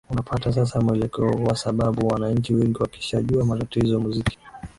unapata sasa mwelekeo kwa sababu wananchi wengi wakishajua matatizo muziki